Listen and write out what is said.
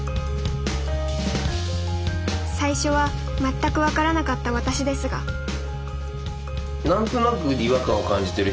最初は全く分からなかった私ですがへえ。